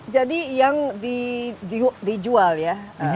jadi yang dijual ya